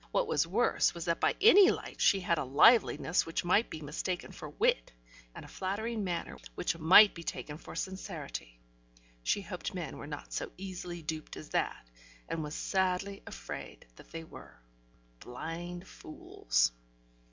What was worse was that by any light she had a liveliness which might be mistaken for wit, and a flattering manner which might be taken for sincerity. She hoped men were not so easily duped as that, and was sadly afraid that they were. Blind fools!